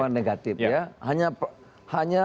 negatif ya hanya